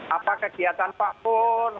apa kegiatan pak pur